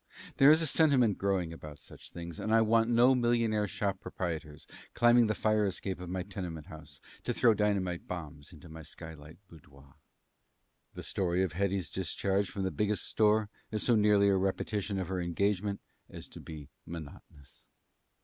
There is a sentiment growing about such things, and I want no millionaire store proprietors climbing the fire escape of my tenement house to throw dynamite bombs into my skylight boudoir. The story of Hetty's discharge from the Biggest Store is so nearly a repetition of her engagement as to be monotonous.